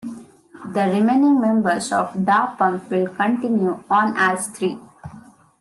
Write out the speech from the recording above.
The remaining members of Da Pump will continue on as three.